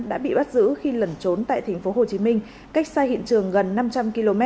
đã bị bắt giữ khi lẩn trốn tại tp hcm cách xa hiện trường gần năm trăm linh km